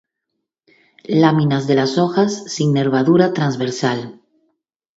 Láminas de las hojas sin nervadura transversal.